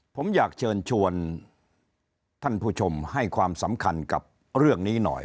ผมอยากเชิญชวนท่านผู้ชมให้ความสำคัญกับเรื่องนี้หน่อย